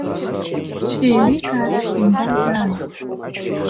Шәеиликаартә шәимбазааит?